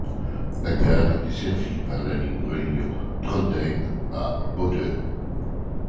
La gare est desservie par la ligne reliant Trondheim à Bodø.